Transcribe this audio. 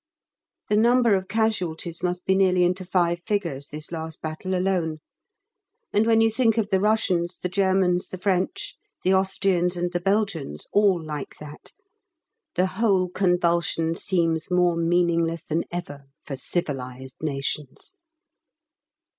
The number of casualties must be nearly into five figures this last battle alone; and when you think of the Russians, the Germans, the French, the Austrians, and the Belgians all like that, the whole convulsion seems more meaningless than ever for civilised nations.